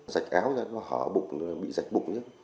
rạch áo ra nó hở bụng bị rạch bụng